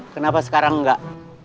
kenapa sekarang nggak